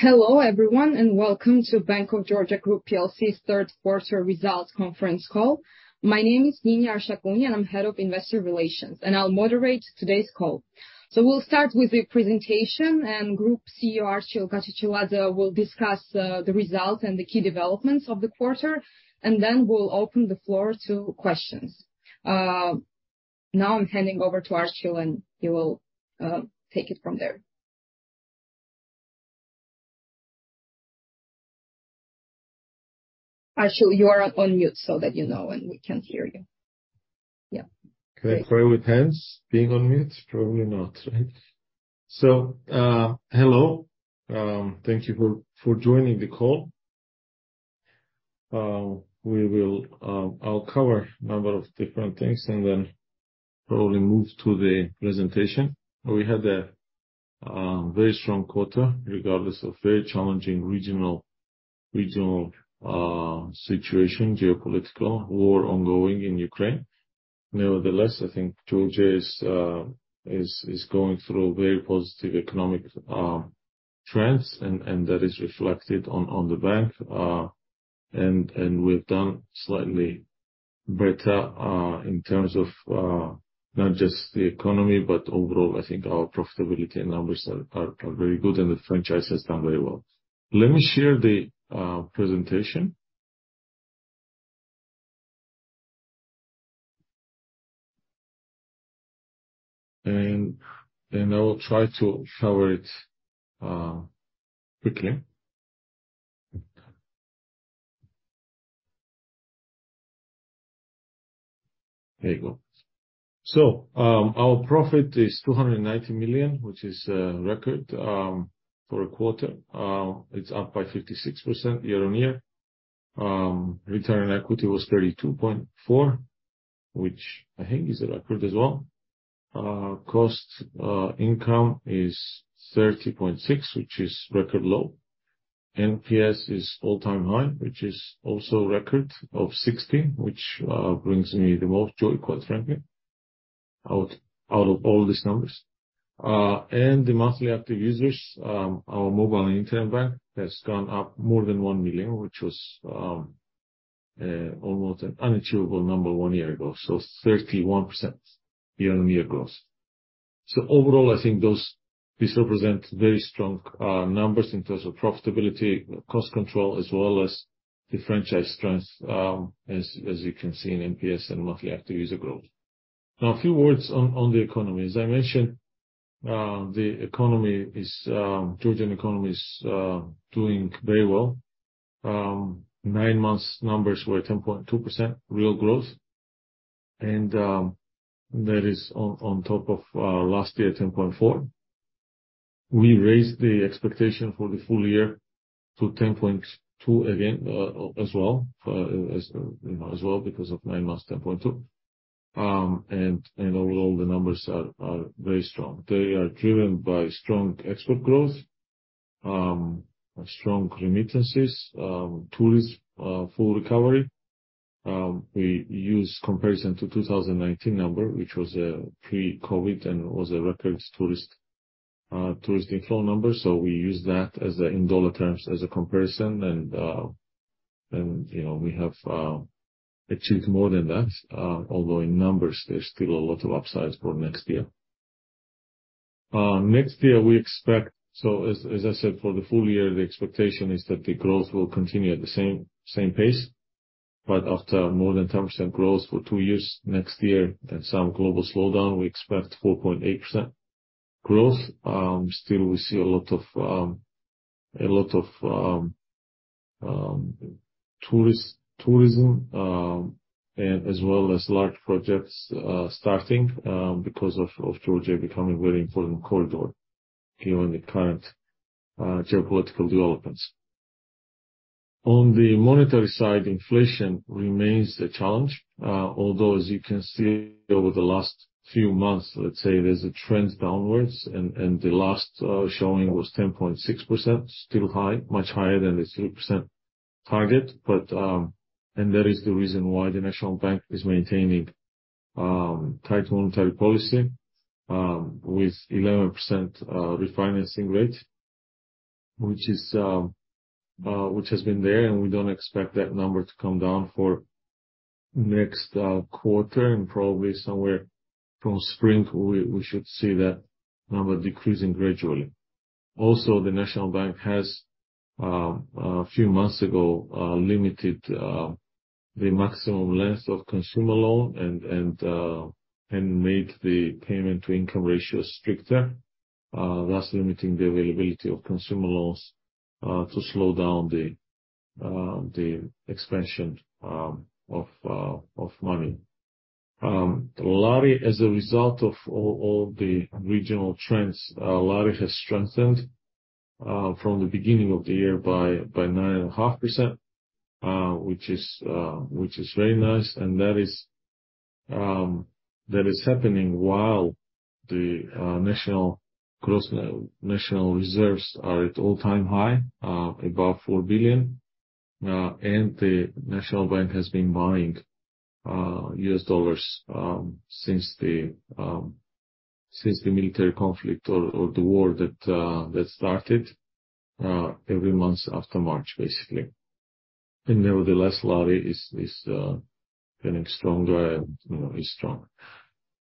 Hello everyone, and welcome to Bank of Georgia Group PLC third quarter results conference call. My name is Nini Arshakuni, and I'm Head of Investor Relations, and I'll moderate today's call. We'll start with the presentation, and Group CEO Archil Gachechiladze will discuss the results and the key developments of the quarter, and then we'll open the floor to questions. Now I'm handing over to Archil, and he will take it from there. Archil, you are on mute, so that you know, and we can't hear you. Can I wave hands being on mute? Probably not, right. Hello. Thank you for joining the call. I'll cover a number of different things and then probably move to the presentation. We had a very strong quarter regardless of very challenging regional situation, geopolitical war ongoing in Ukraine. Nevertheless, I think Georgia is going through a very positive economic trends and that is reflected on the bank. We've done slightly better in terms of not just the economy, but overall, I think our profitability and numbers are very good and the franchise has done very well. Let me share the presentation. I will try to cover it quickly. Here you go. Our profit is GEL 290 million, which is a record for a quarter. It's up by 56% year-on-year. Return on equity was 32.4%, which I think is a record as well. Cost-to-income is 30.6, which is record low. NPS is all-time high, which is also record of 60, which brings me the most joy, quite frankly, out of all these numbers. The monthly active users of our mobile and internet bank has gone up more than 1 million, which was almost an unachievable number one year ago, so 31% year-on-year growth. Overall I think those represent very strong numbers in terms of profitability, cost control, as well as the franchise trends, as you can see in NPS and monthly active user growth. Now, a few words on the economy. As I mentioned, the Georgian economy is doing very well. Nine months numbers were 10.2% real growth, and that is on top of last year, 10.4%. We raised the expectation for the full year to 10.2% again, as well, because of nine months, 10.2%. And overall the numbers are very strong. They are driven by strong export growth, strong remittances, tourism full recovery. We use comparison to 2019 number, which was pre-COVID and was a record tourism inflow number. We use that in dollar terms as a comparison. We have achieved more than that, although in numbers, there's still a lot of upsides for next year. Next year we expect, as I said, for the full year, the expectation is that the growth will continue at the same pace. After more than 10% growth for two years, next year and some global slowdown, we expect 4.8% growth. Still we see a lot of tourism and as well as large projects starting because of Georgia becoming very important corridor given the current geopolitical developments. On the monetary side, inflation remains the challenge. Although as you can see over the last few months, let's say there's a trend downwards and the last showing was 10.6%, still high, much higher than the 3% target. That is the reason why the National Bank is maintaining tight monetary policy with 11% refinancing rate, which has been there, and we don't expect that number to come down for next quarter and probably somewhere from spring we should see that number decreasing gradually. Also, the National Bank has a few months ago limited the maximum length of consumer loan and made the payment-to-income ratio stricter, thus limiting the availability of consumer loans to slow down the expansion of money. Lari, as a result of all the regional trends, has strengthened from the beginning of the year by 9.5%, which is very nice. That is happening while the national reserves are at all-time high above $4 billion. The National Bank has been buying U.S. dollars since the military conflict or the war that started, every month after March, basically. Nevertheless, lari is getting stronger and, you know, is strong.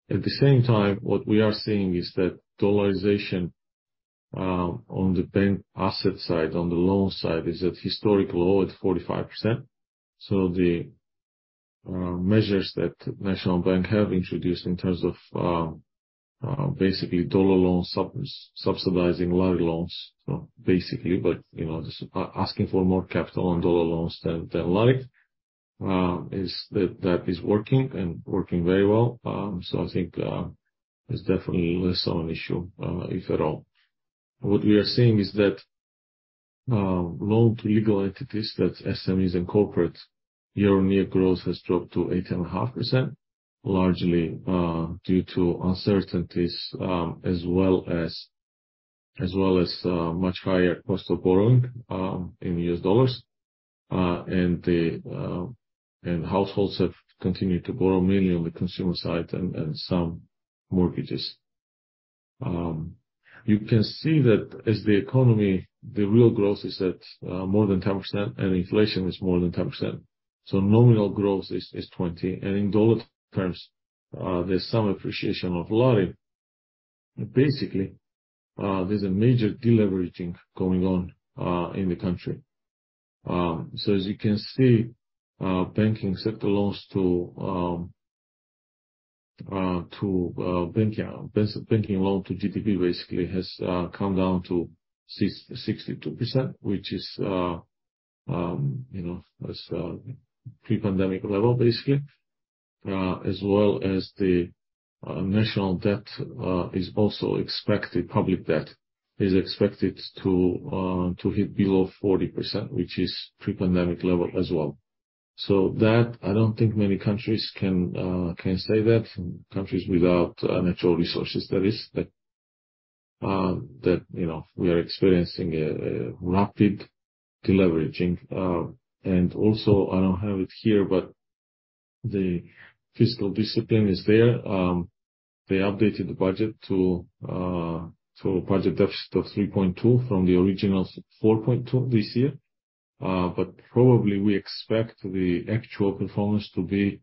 At the same time, what we are seeing is that dollarization on the bank asset side, on the loan side, is at historic low at 45%. The measures that National Bank have introduced in terms of basically dollar loans subsidizing lari loans. Basically, but just asking for more capital on dollar loans than lari is working very well. I think it's definitely less of an issue, if at all. What we are seeing is that loan to legal entities that SMEs and corporates year-on-year growth has dropped to 8.5%, largely due to uncertainties as well as much higher cost of borrowing in U.S. dollars. Households have continued to borrow mainly on the consumer side and some mortgages. You can see that as the economy, the real growth is at more than 10% and inflation is more than 10%. Nominal growth is 20%, and in dollar terms, there's some appreciation of lari. Basically, there's a major deleveraging going on in the country. As you can see, banking sector loan to GDP basically has come down to 62%, which is, that's pre-pandemic level basically. As well as the national debt, public debt is expected to hit below 40%, which is pre-pandemic level as well. That I don't think many countries can say that, countries without natural resources that is. We are experiencing a rapid deleveraging. I don't have it here, but the fiscal discipline is there. They updated the budget to a budget deficit of 3.2% from the original 4.2% this year. Probably we expect the actual performance to be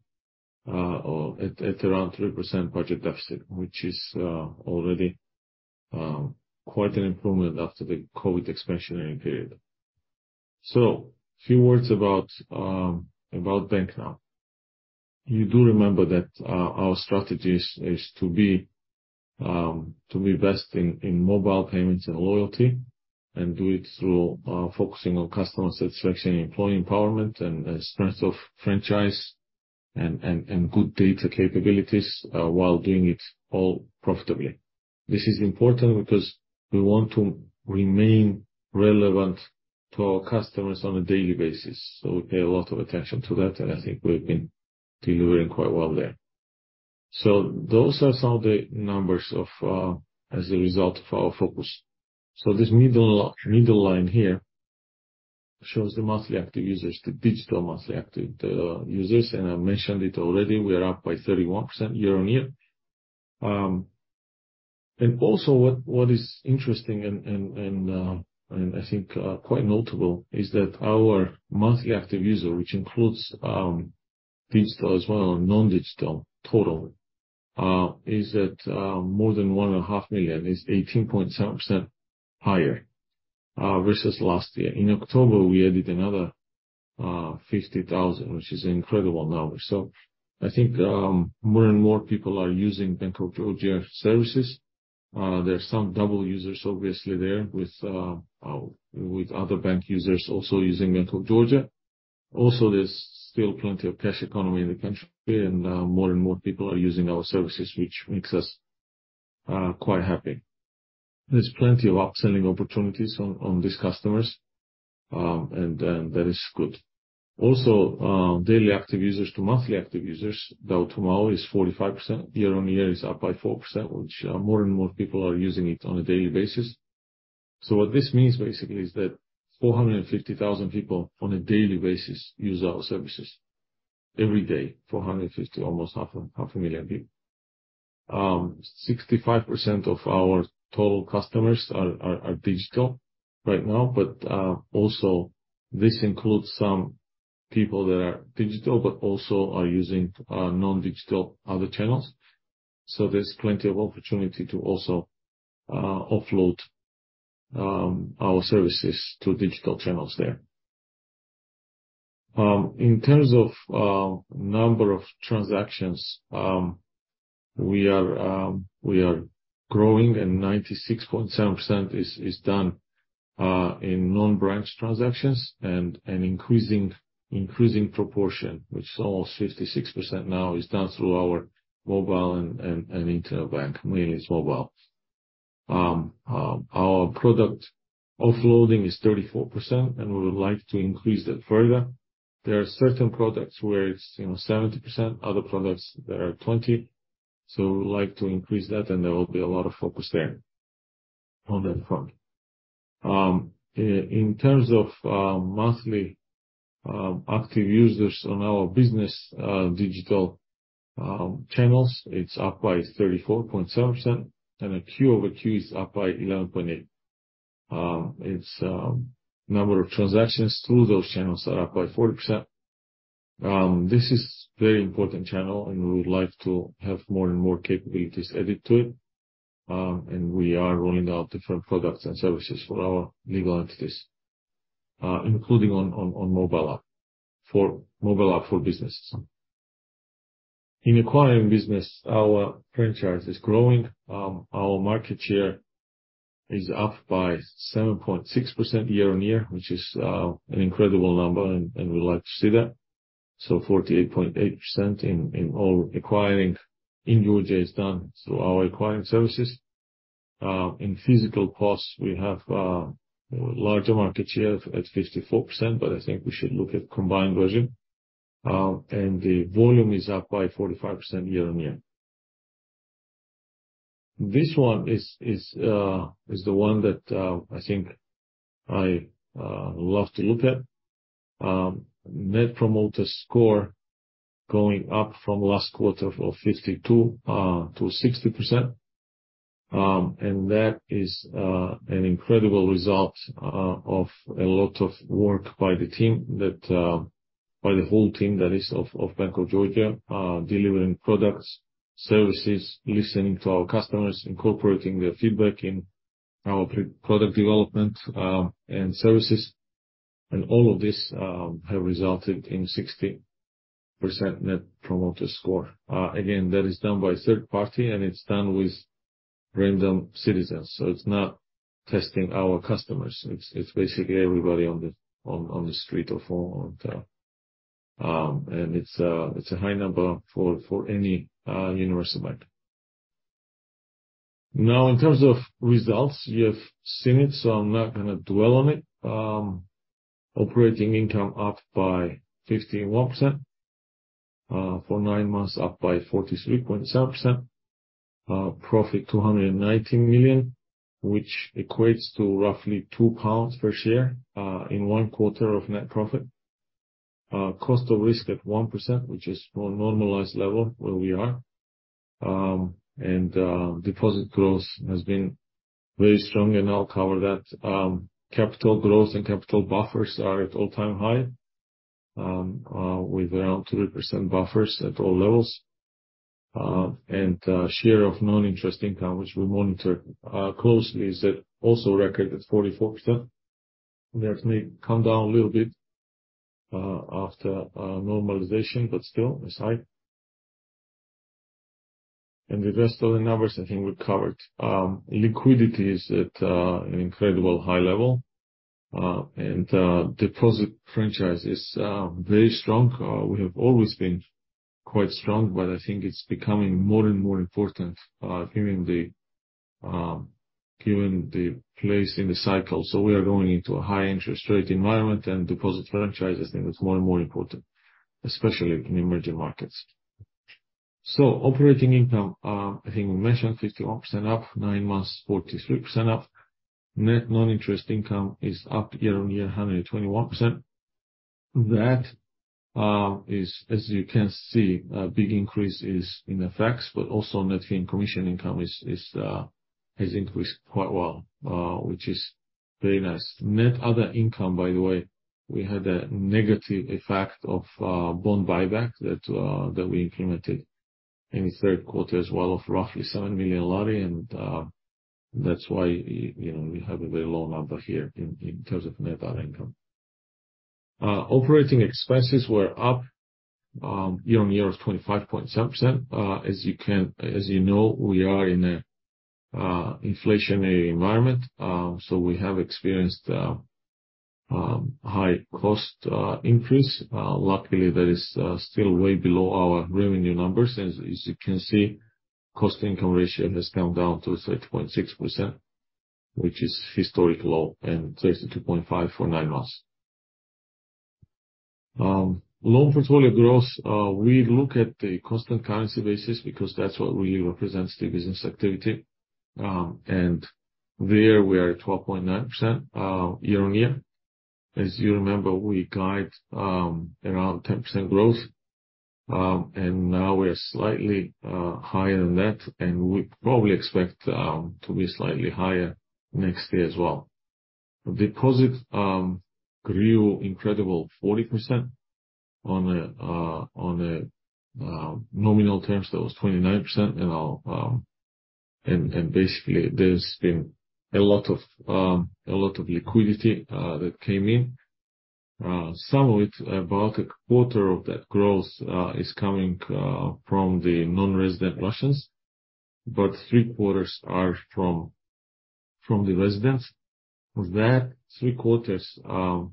at around 3% budget deficit, which is already quite an improvement after the COVID expansionary period. A few words about banking now. You do remember that our strategy is to be best in mobile payments and loyalty, and do it through focusing on customer satisfaction, employee empowerment, and strength of franchise and good data capabilities while doing it all profitably. This is important because we want to remain relevant to our customers on a daily basis. We pay a lot of attention to that, and I think we've been delivering quite well there. Those are some of the numbers, as a result of our focus. This middle line here shows the monthly active users, the digital monthly active users. I mentioned it already, we are up by 31% year-on-year. Also what is interesting and I think quite notable is that our monthly active user, which includes digital as well, non-digital total, is at more than 1.5 million. It's 18.7% higher versus last year. In October, we added another 50,000, which is an incredible number. I think more and more people are using Bank of Georgia services. There are some double users obviously there with other bank users also using Bank of Georgia. There's still plenty of cash economy in the country and more and more people are using our services, which makes us quite happy. There's plenty of upselling opportunities on these customers and that is good. Daily active users to monthly active users, the ratio is 45%. Year-on-year is up by 4%, which more and more people are using it on a daily basis. What this means basically is that 450,000 people on a daily basis use our services. Every day, 450,000, almost half a million people. 65% of our total customers are digital right now. This includes some people that are digital, but also are using non-digital other channels. There's plenty of opportunity to also offload our services to digital channels there. In terms of number of transactions, we are growing and 96.7% is done in non-branch transactions and an increasing proportion, which is almost 56% now is done through our mobile and internet bank, mainly it's mobile. Our product offloading is 34%, and we would like to increase that further. There are certain products where it's 70%, other products that are 20%. We'd like to increase that and there will be a lot of focus there. On that front. In terms of monthly active users on our business digital channels, it's up by 34.7%, and the Q-over-Q is up by 11.8%. It's number of transactions through those channels are up by 40%. This is very important channel, and we would like to have more and more capabilities added to it. We are rolling out different products and services for our legal entities, including on mobile app for businesses. In acquiring business, our franchise is growing. Our market share is up by 7.6% year-on-year, which is an incredible number, and we like to see that. 48.8% in all acquiring in Georgia is done through our acquiring services. In physical costs, we have larger market share at 54%, but I think we should look at combined version. The volume is up by 45% year-on-year. This one is the one that I think I love to look at. Net promoter score going up from last quarter of 52 to 60%. That is an incredible result of a lot of work by the whole team that is of Bank of Georgia delivering products, services, listening to our customers, incorporating their feedback in our product development and services. All of this have resulted in 60% net promoter score. Again, that is done by third party, and it's done with random citizens. It's not testing our customers. It's basically everybody on the street. It's a high number for any universal bank. Now, in terms of results, you have seen it, so I'm not gonna dwell on it. Operating income up by 15.1%. For nine months, up by 43.7%. Profit GEL 219 million, which equates to roughly 2 pounds per share in one quarter of net profit. Cost of risk at 1%, which is more normalized level where we are. Deposit growth has been very strong, and I'll cover that. Capital growth and capital buffers are at all-time high, with around 2% buffers at all levels. Share of non-interest income, which we monitor closely, is at a record 44%. That may come down a little bit after normalization, but still it's high. The rest of the numbers I think we covered. Liquidity is at an incredible high level. Deposit franchise is very strong. We have always been quite strong, but I think it's becoming more and more important, given the place in the cycle. We are going into a high interest rate environment and deposit franchise is, I think, more and more important, especially in emerging markets. Operating income, I think we mentioned, 51% up nine months, 43% up. Net non-interest income is up year-on-year 121%. That is, as you can see, a big increase in the NII, but also net fee and commission income has increased quite well, which is very nice. Net other income, by the way, we had a negative effect of bond buyback that we implemented in the third quarter as well of roughly GEL 7 million and that's why we have a very low number here in terms of net other income. Operating expenses were up year-on-year 25.7%. As you know, we are in a inflationary environment, so we have experienced high cost increase. Luckily, that is still way below our revenue numbers. As you can see, cost income ratio has come down to 30.6%, which is historic low and 32.5% for nine months. Loan portfolio growth, we look at the constant currency basis because that's what really represents the business activity. There we are at 12.9%, year-on-year. As you remember, we guide around 10% growth. Now we're slightly higher than that, and we probably expect to be slightly higher next year as well. Deposits grew incredibly 40% on nominal terms that was 29%. Basically, there's been a lot of liquidity that came in. Some of it, about a quarter of that growth, is coming from the non-resident Russians, but three-quarters are from the residents. That three-quarters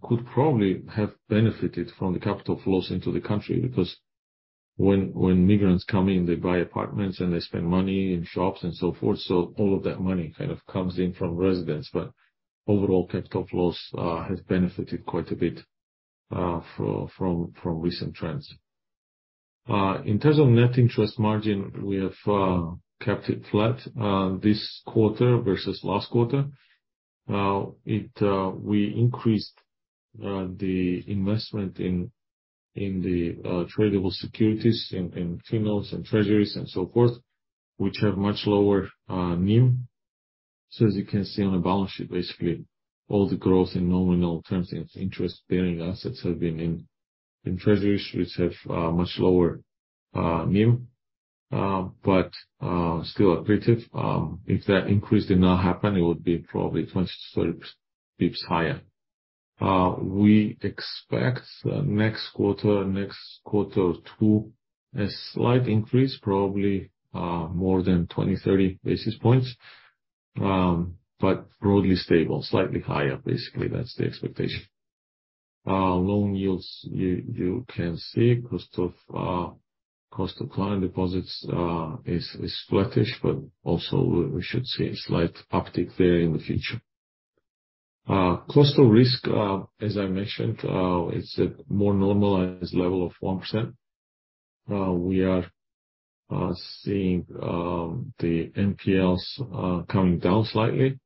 could probably have benefited from the capital flows into the country because when migrants come in, they buy apartments and they spend money in shops and so forth. All of that money comes in from residents. Overall, capital flows has benefited quite a bit from recent trends. In terms of net interest margin, we have kept it flat this quarter versus last quarter. We increased the investment in the tradable securities in T-bills and treasuries and so forth, which have much lower NIM. As you can see on the balance sheet, basically all the growth in nominal terms in interest-bearing assets have been in treasuries, which have much lower NIM, but still accretive. If that increase did not happen, it would be probably 20-30 basis points higher. We expect next quarter two a slight increase, probably more than 20-30 basis points. But broadly stable, slightly higher. Basically, that's the expectation. Loan yields, you can see cost of client deposits is flattish, but also we should see a slight uptick there in the future. Cost of risk, as I mentioned, it's a more normalized level of 1%. We are seeing the NPLs coming down slightly,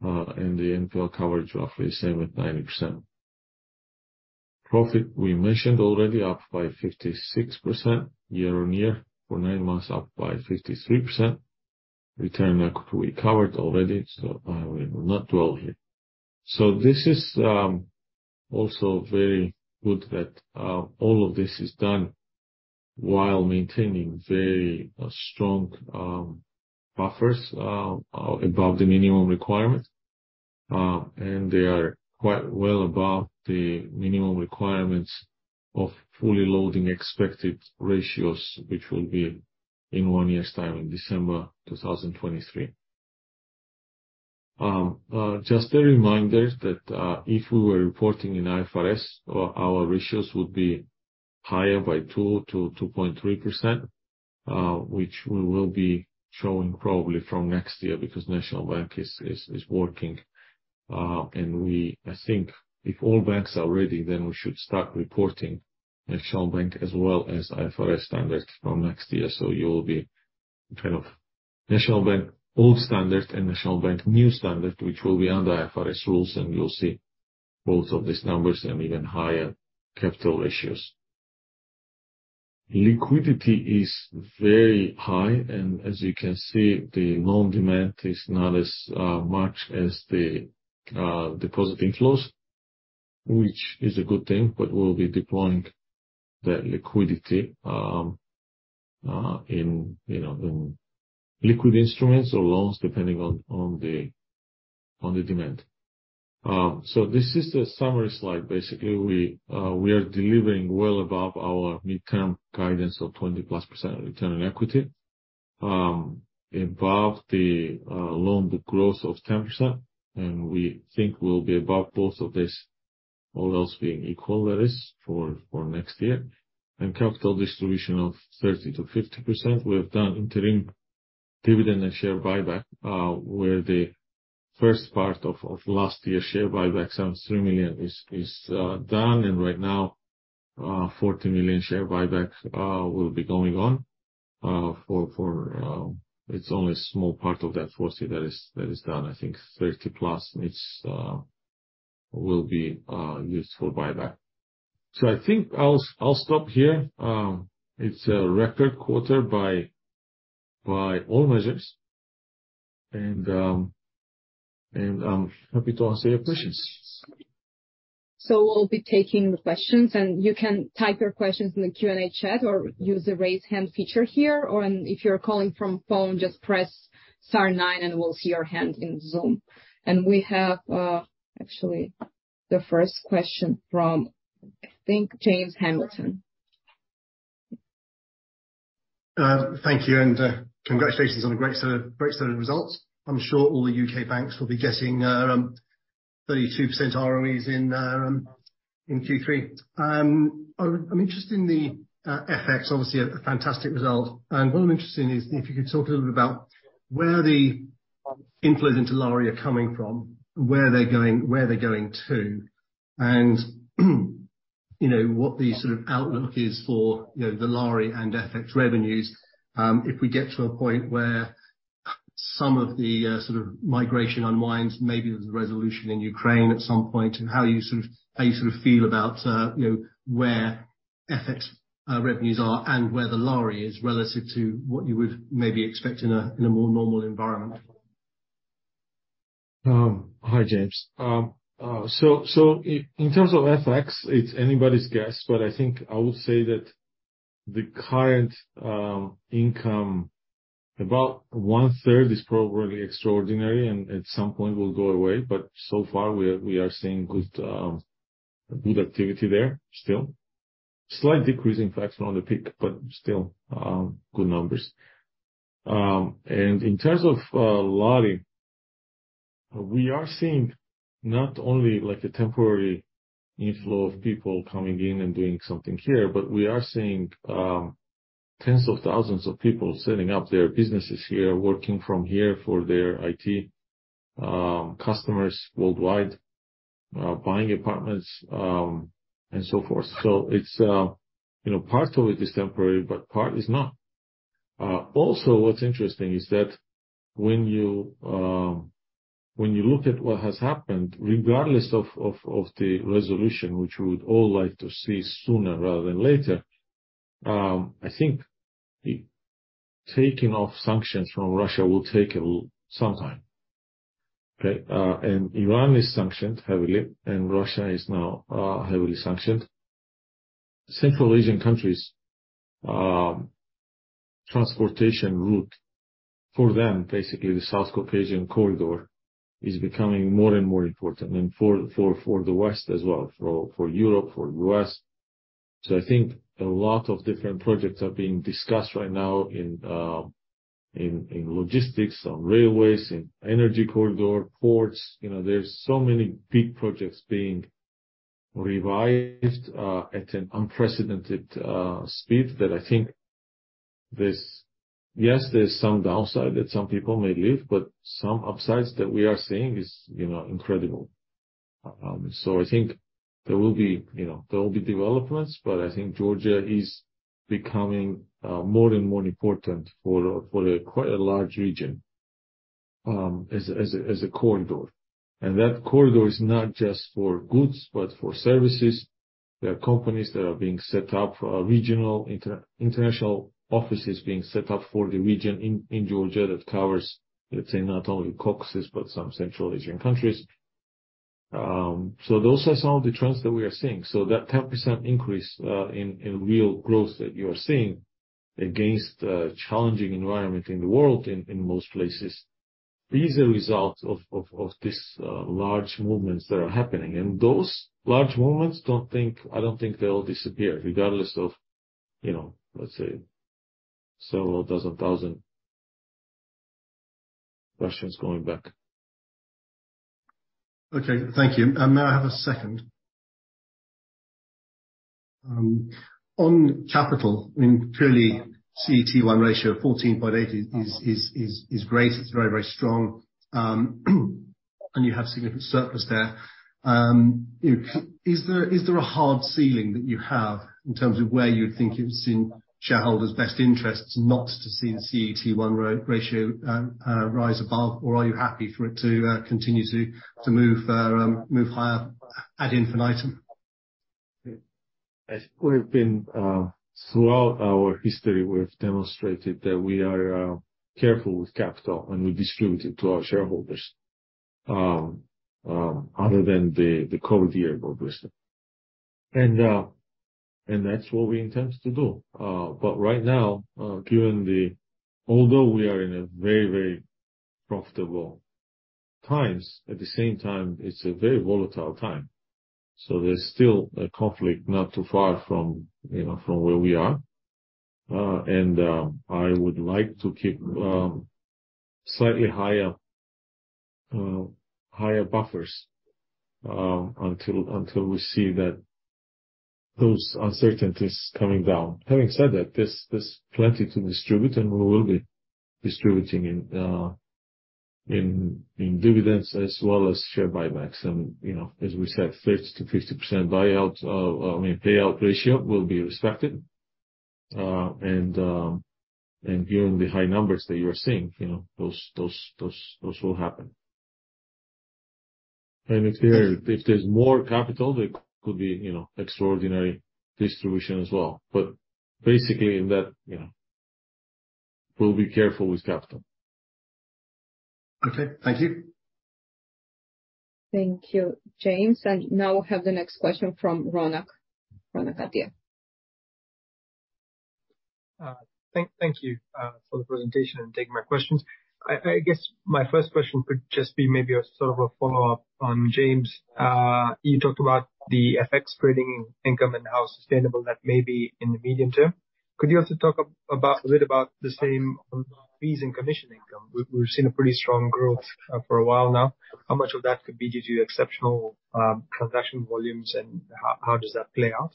and the NPL coverage roughly the same at 90%. Profit we mentioned already, up by 56% year-over-year for nine months, up by 53%. Return we covered already, so I will not dwell here. This is also very good that all of this is done while maintaining very strong buffers above the minimum requirement. They are quite well above the minimum requirements of fully loading expected ratios, which will be in one year's time, in December 2023. Just a reminder that if we were reporting in IFRS, our ratios would be higher by 2%-2.3%, which we will be showing probably from next year because National Bank is working. I think if all banks are ready, then we should start reporting National Bank as well as IFRS standards from next year. You'll be kind of National Bank old standard and National Bank new standard, which will be under IFRS rules, and you'll see both of these numbers and even higher capital ratios. Liquidity is very high, and as you can see, the loan demand is not as much as the deposit inflows, which is a good thing. We'll be deploying that liquidity in liquid instruments or loans, depending on the demand. This is the summary slide. Basically, we are delivering well above our midterm guidance of 20+% return on equity, above the loan book growth of 10%. We think we'll be above both of these, all else being equal, that is, for next year. Capital distribution of 30%-50%. We have done interim dividend and share buyback, where the first part of last year's share buyback, some GEL 3 million is done. Right now, GEL 40 million share buyback will be going on. It's only a small part of that 40 that is done. I think 30+, it will be used for buyback. I think I'll stop here. It's a record quarter by all measures, and I'm happy to answer your questions. We'll be taking the questions, and you can type your questions in the Q&A chat or use the raise hand feature here, or if you're calling from phone, just press star nine and we'll see your hand in Zoom. We have actually the first question from, I think, James Hamilton. Thank you, and congratulations on a great set of results. I'm sure all the UK banks will be getting 32% ROEs in Q3. I'm interested in the FX, obviously a fantastic result. What I'm interested in is if you could talk a little bit about where the inflows into lari are coming from, where they're going to, and what the outlook is for the lari and FX revenues, if we get to a point where some of the migration unwinds maybe with the resolution in Ukraine at some point, and how you feel about where FX revenues are and where the lari is relative to what you would maybe expect in a more normal environment. Hi, James. In terms of FX, it's anybody's guess, but I think I would say that the current income, about one-third is probably extraordinary and at some point will go away. So far we are seeing good activity there still. Slight decrease in FX on the peak, but still good numbers. In terms of lari, we are seeing not only like a temporary inflow of people coming in and doing something here, but we are seeing tens of thousands of people setting up their businesses here, working from here for their IT customers worldwide, buying apartments and so forth. It's, you know, part of it is temporary, but part is not. Also, what's interesting is that when you look at what has happened, regardless of the resolution, which we would all like to see sooner rather than later, I think the taking of sanctions from Russia will take some time. Okay. Iran is sanctioned heavily, and Russia is now heavily sanctioned. Central Asian countries, transportation route for them, basically, the South Caucasian corridor is becoming more and more important and for the West as well, for Europe, for U.S. I think a lot of different projects are being discussed right now in logistics, on railways, in energy corridor, ports. There's so many big projects being revised at an unprecedented speed that I think there's. Yes, there's some downside that some people may leave, but some upsides that we are seeing is incredible. I think there will be developments, but I think Georgia is becoming more and more important for a quite large region as a corridor. That corridor is not just for goods, but for services. There are companies that are being set up, regional international offices being set up for the region in Georgia that covers, let's say, not only Caucasus, but some Central Asian countries. Those are some of the trends that we are seeing. That 10% increase in real growth that you are seeing against challenging environment in the world in most places is a result of these large movements that are happening. Those large movements I don't think they'll disappear regardless of let's say several dozen thousand Russians going back. Okay. Thank you. May I have a second? On capital, I mean, clearly CET1 ratio of 14.8% is great. It's very, very strong. You have significant surplus there. You know, is there a hard ceiling that you have in terms of where you think it's in shareholders' best interests not to see the CET1 ratio rise above, or are you happy for it to continue to move higher ad infinitum? I think we've been throughout our history, we've demonstrated that we are careful with capital, and we distribute it to our shareholders, other than the COVID year, obviously. That's what we intend to do. Right now. Although we are in a very profitable times, at the same time, it's a very volatile time. There's still a conflict not too far from you know, from where we are. I would like to keep slightly higher buffers until we see that those uncertainties coming down. Having said that, there's plenty to distribute, and we will be distributing in dividends as well as share buybacks. As we said, 50%-50% payout ratio will be respected. Given the high numbers that you are seeing those will happen. If there's more capital, there could be extraordinary distribution as well. Basically that, we'll be careful with capital. Okay. Thank you. Thank you, James. Now we have the next question from Ronak. Ronak Gadhia. Thank you for the presentation and taking my questions. I guess my first question could just be maybe a follow-up on James. You talked about the FX trading income and how sustainable that may be in the medium term. Could you also talk a little about the same on fees and commission income? We've seen a pretty strong growth for a while now. How much of that could be due to exceptional transaction volumes, and how does that play out?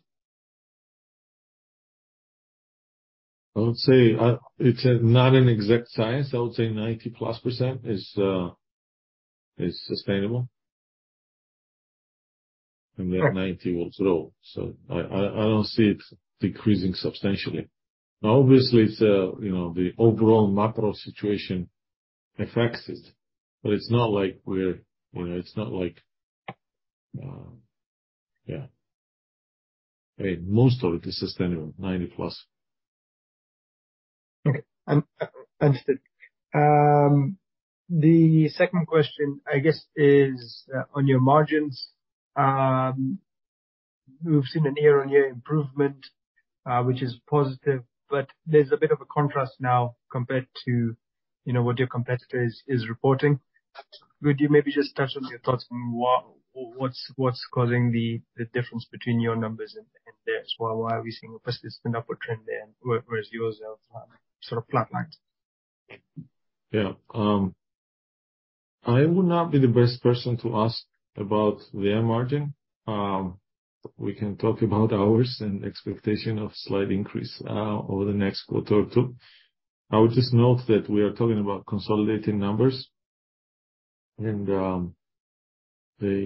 I would say, it's not an exact science. I would say 90%+ is sustainable. Sure. That 90 will grow. I don't see it decreasing substantially. Obviously, it's the overall macro situation affects it. Yeah. I mean, most of it is sustainable, 90+. Okay. Understood. The second question, I guess, is on your margins. We've seen a year-on-year improvement, which is positive, but there's a bit of a contrast now compared to what your competitor is reporting. Could you maybe just touch on your thoughts on what's causing the difference between your numbers and theirs? Why are we seeing a persistent upward trend there whereas yours have flatlined? Yeah. I would not be the best person to ask about their margin. We can talk about ours and expectation of slight increase over the next quarter or two. I would just note that we are talking about consolidating numbers, and they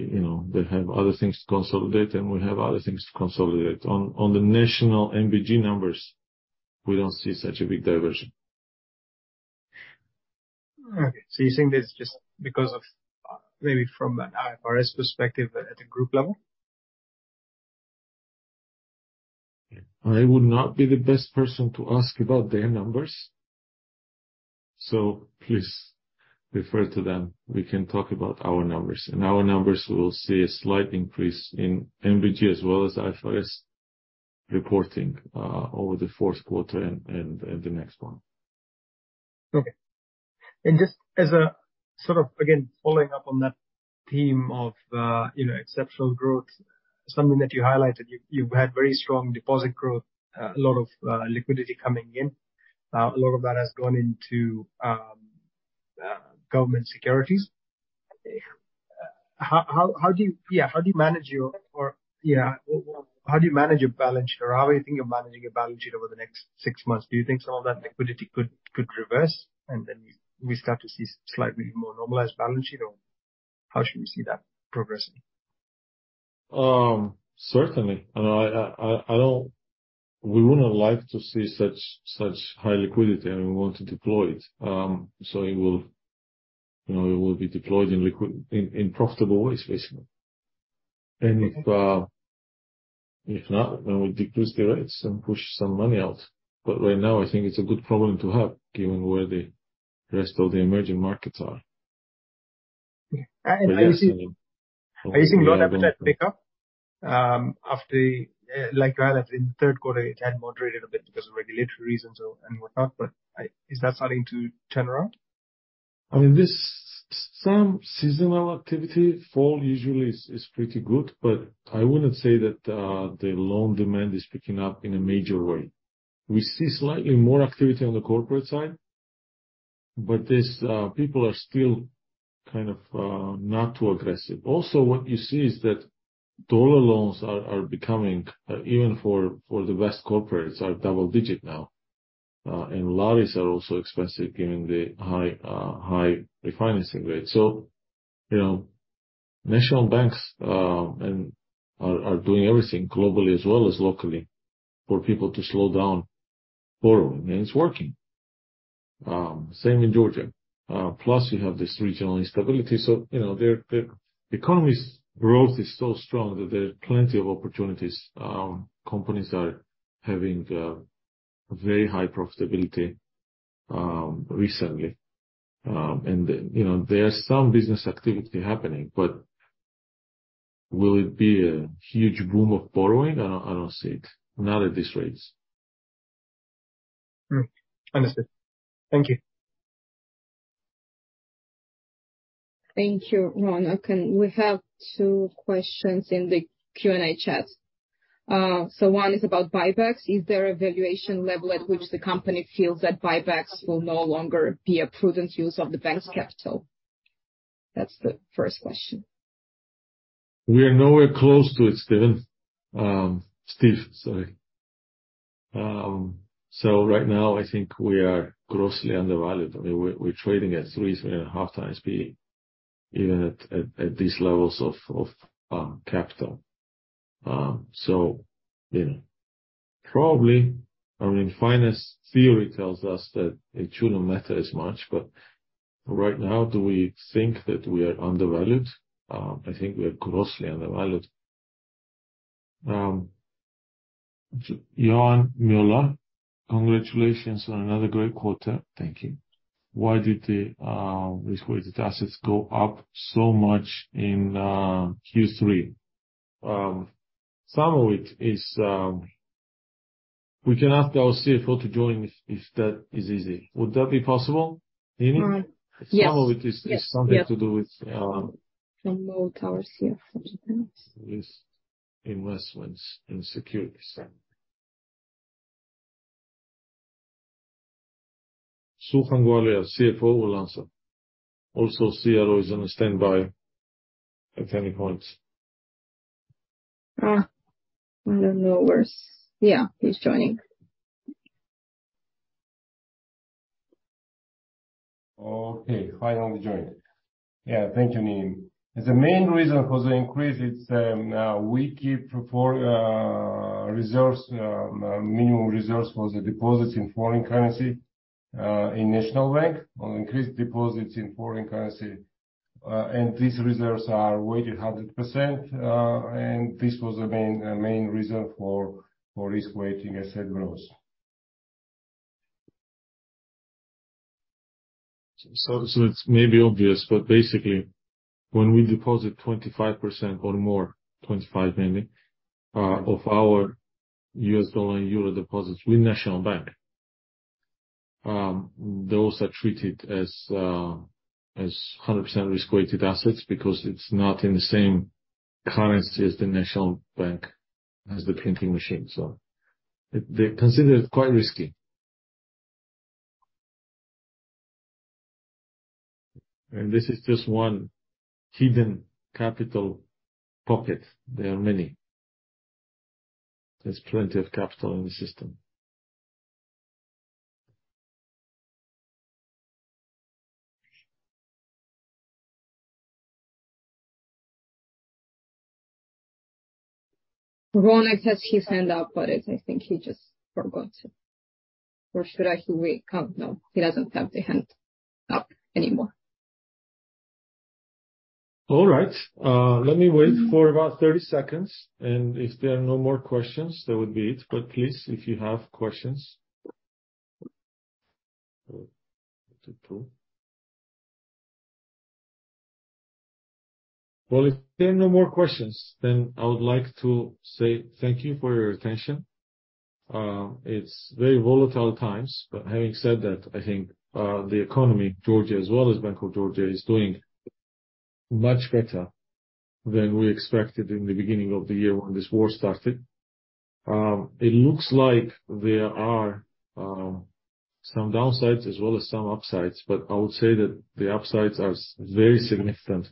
have other things to consolidate, and we have other things to consolidate. On the national NBG numbers, we don't see such a big divergence. Okay. You're saying this just because of, maybe from an IFRS perspective at a group level? I would not be the best person to ask about their numbers. Please refer to them. We can talk about our numbers. In our numbers, we will see a slight increase in NBG as well as IFRS reporting over the fourth quarter and the next one. Okay. Just as a sort of, again, following up on that theme of exceptional growth, something that you highlighted, you've had very strong deposit growth, a lot of liquidity coming in. A lot of that has gone into government securities. How do you manage your balance sheet, or how are you thinking of managing your balance sheet over the next six months? Do you think some of that liquidity could reverse, and then we start to see slightly more normalized balance sheet, or how should we see that progressing? Certainly. We wouldn't like to see such high liquidity, and we want to deploy it. It will be deployed in profitable ways, basically. Okay. If not, then we decrease the rates and push some money out. Right now, I think it's a good problem to have given where the rest of the emerging markets are. Are you seeing loan appetite pick up after, like, in the third quarter, it had moderated a bit because of regulatory reasons or and whatnot, but is that starting to turn around? I mean, this is some seasonal activity. Fall usually is pretty good, but I wouldn't say that the loan demand is picking up in a major way. We see slightly more activity on the corporate side, but people are still not too aggressive. Also, what you see is that dollar loans are becoming even for the best corporates double digit now, and lari are also expensive given the high refinancing rate. Central banks are doing everything globally as well as locally for people to slow down borrowing, and it's working. Same in Georgia. Plus you have this regional instability. Their economy's growth is so strong that there are plenty of opportunities. Companies are having very high profitability recently. There are some business activity happening, but will it be a huge boom of borrowing? I don't see it, not at this rates. Understood. Thank you. Thank you, Ron. Okay. We have two questions in the Q&A chat. One is about buybacks. Is there a valuation level at which the company feels that buybacks will no longer be a prudent use of the bank's capital? That's the first question. We are nowhere close to it, Stephen. Steve, sorry. Right now, I think we are grossly undervalued. I mean, we're trading at 3.5x P/E, even at these levels of capital. You know, probably, I mean, finance theory tells us that it shouldn't matter as much, but right now, do we think that we are undervalued? I think we are grossly undervalued. Johan Muller, congratulations on another great quarter. Thank you. Why did the risk-weighted assets go up so much in Q3? Some of it is. We can ask our CFO to join if that is easy. Would that be possible, Nini? Right. Yes. Some of it is. Yes. Something to do with. I'll unmute our CFO. With investments in securities. Sulkhan Gvalia, CFO, will answer. Also, CRO is on standby at any point. Yeah, he's joining. Okay. Finally joined. Yeah. Thank you, Nini. The main reason for the increase we keep reported minimum reserves for the deposits in foreign currency in National Bank of Georgia on increased deposits in foreign currency. These reserves are weighted 100%. This was the main reason for risk-weighted assets growth. It's maybe obvious, but basically, when we deposit 25% or more, 25 mainly, of our U.S. dollar and euro deposits with National Bank, those are treated as 100% risk-weighted assets because it's not in the same currency as the National Bank, as the printing machine. They consider it quite risky. This is just one hidden capital pocket. There are many. There's plenty of capital in the system. Ronak has his hand up, but I think he just forgot to. No, he doesn't have the hand up anymore. All right. Let me wait for about 30 seconds, and if there are no more questions, that would be it. But please, if you have questions. One, two, three. Well, if there are no more questions, then I would like to say thank you for your attention. It's very volatile times. But having said that, I think, the economy, Georgia, as well as Bank of Georgia, is doing much better than we expected in the beginning of the year when this war started. It looks like there are some downsides as well as some upsides, but I would say that the upsides are very significant,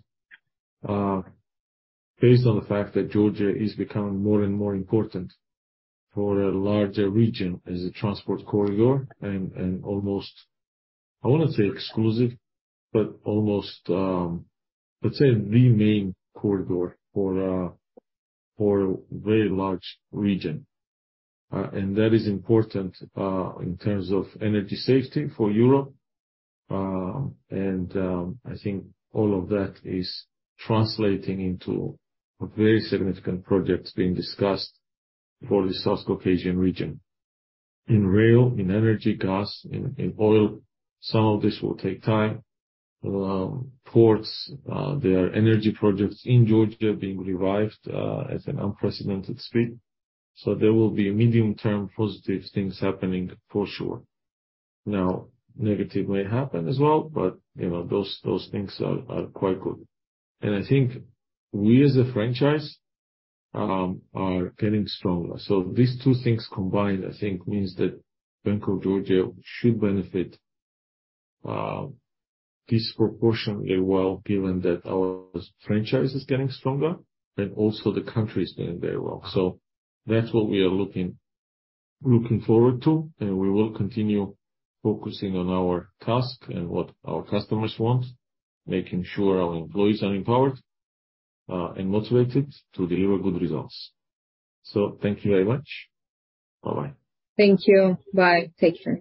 based on the fact that Georgia is becoming more and more important for a larger region as a transport corridor and almost, I wanna say exclusive, but almost, let's say the main corridor for a very large region. That is important in terms of energy safety for Europe. I think all of that is translating into a very significant project being discussed for the South Caucasian region in rail, in energy, gas, in oil. Some of this will take time. Ports, there are energy projects in Georgia being revived at an unprecedented speed. There will be medium-term positive things happening for sure. Now, negative may happen as well, but those things are quite good. I think we, as a franchise, are getting stronger. These two things combined, I think means that Bank of Georgia should benefit, disproportionately well, given that our franchise is getting stronger and also the country is doing very well. That's what we are looking forward to, and we will continue focusing on our task and what our customers want, making sure our employees are empowered and motivated to deliver good results. Thank you very much. Bye-bye. Thank you. Bye. Take care.